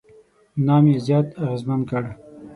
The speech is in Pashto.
نام یې زیات اغېزمن دی.